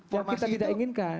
yang kita tidak inginkan